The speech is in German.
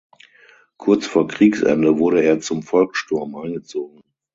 Kurz vor Kriegsende wurde er zum Volkssturm eingezogen.